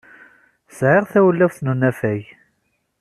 Sɛiɣ tawlaft n unafag.